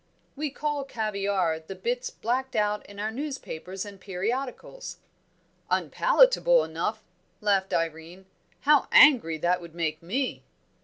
"We call caviare the bits blacked out in our newspapers and periodicals." "Unpalatable enough!" laughed Irene. "How angry that would make me!"